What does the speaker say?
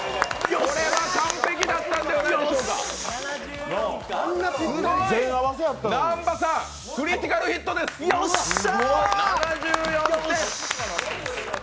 これは完璧だったんではないでしょうか南波さん、クリティカルヒットです７４です！